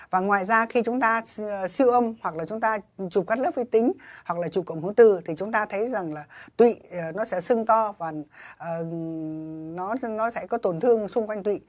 và ngoài ra khi chúng ta siêu âm hoặc là chúng ta trục cắt lớp vi tính hoặc là trục cộng hưởng từ thì chúng ta thấy rằng là tụy nó sẽ sưng to và nó sẽ có tổn thương xung quanh tụy